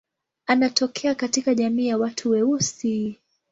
Anatokea katika jamii ya watu weusi.